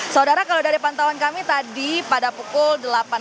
saudara kalau dari pantauan kami tadi pada pukul delapan belas